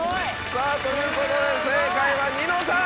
さぁということで正解はニノさん。